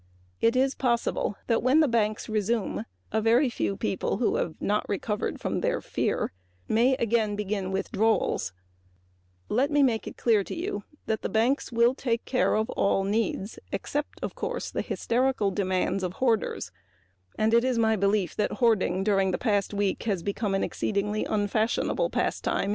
It is possible that when the banks resume a very few people who have not recovered from their fear may again begin withdrawals. Let me make it clear that the banks will take care of all needs and it is my belief that hoarding during the past week has become an exceedingly unfashionable pastime.